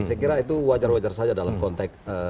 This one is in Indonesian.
saya kira itu wajar wajar saja dalam konteks